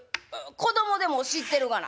子供でも知ってるがな」。